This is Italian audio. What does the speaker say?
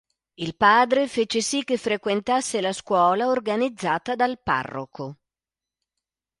Il padre fece sì che frequentasse la scuola organizzata dal parroco.